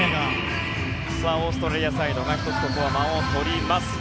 オーストラリアサイドが１つ、ここで間をとります。